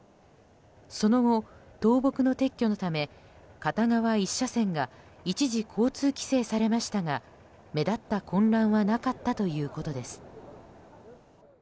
その後、倒木の撤去のため片側１車線が一時、交通規制されましたが目立った混乱はなかったということです。